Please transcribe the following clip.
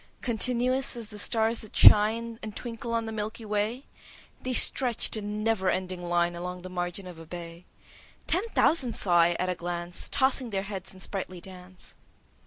Continuous as the stars that shine And twinkle on the Milky Way, They stretch'd in never ending line Along the margin of a bay: 10 Ten thousand saw I at a glance, Tossing their heads in sprightly dance.